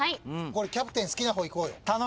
キャプテン好きな方いこうよ。